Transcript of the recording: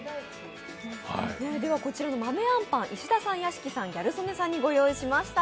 こちらの豆あんぱん、石田さん、屋敷さん、ギャル曽根さんにご用意いたしました。